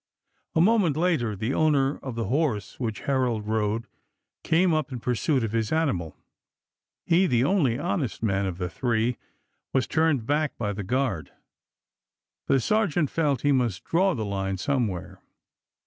A moment later the owner of the horse which Herold rode came up in pursuit of his animal. He, the only honest man of the three, was turned back by the guard — the sergeant felt he must draw the line somewhere.